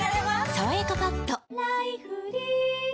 「さわやかパッド」